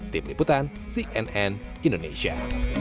tim liputan cnn indonesia